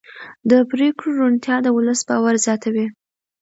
د پرېکړو روڼتیا د ولس باور زیاتوي